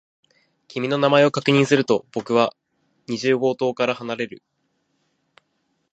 君の名前を確認すると、僕は二十号棟から離れる。